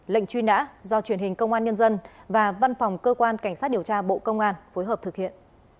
lệnh truy nã do truyền hình công an nhân dân và văn phòng cơ quan cảnh sát điều tra bộ công an phối hợp thực hiện